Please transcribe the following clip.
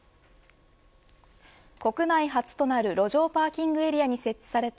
国内初となる路上パーキングエリアに設置された。